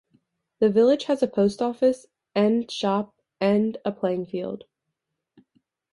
The village has a Post Office and shop and a playing field.